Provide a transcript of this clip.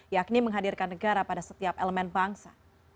yakni menghadirkan negara pada setiap elemen bangsa